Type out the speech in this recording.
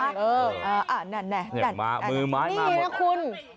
นั่นนี่นะคุณ